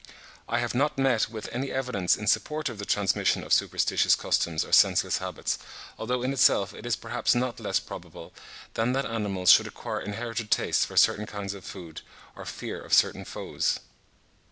I have not met with any evidence in support of the transmission of superstitious customs or senseless habits, although in itself it is perhaps not less probable than that animals should acquire inherited tastes for certain kinds of food or fear of certain foes.